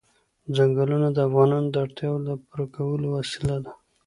ځنګلونه د افغانانو د اړتیاوو د پوره کولو وسیله ده.